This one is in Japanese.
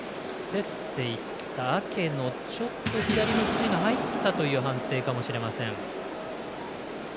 競っていったアケの左の肘が入ったという判定かもしれません。